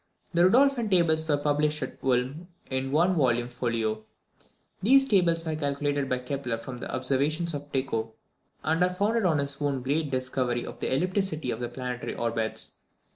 The Rudolphine Tables were published at Ulm in one volume folio. These Tables were calculated by Kepler from the Observations of Tycho, and are founded on his own great discovery of the ellipticity of the planetary orbits.